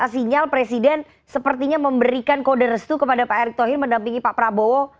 sinyal presiden sepertinya memberikan kode restu kepada pak erick thohir mendampingi pak prabowo